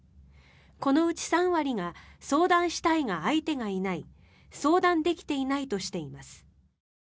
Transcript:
このうち３割が相談したいが相手がいない相談できていないとしています。